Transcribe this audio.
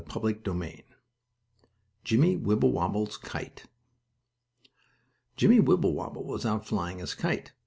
STORY XXX JIMMIE WIBBLEWOBBLE'S KITE Jimmie Wibblewobble was out flying his kite.